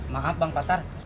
maaf bang patar